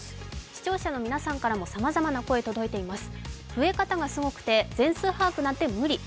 視聴者の皆さんからもさまざまな声が届いています。